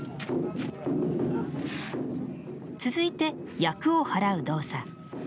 続いて厄をはらう動作。